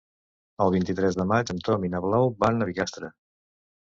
El vint-i-tres de maig en Tom i na Blau van a Bigastre.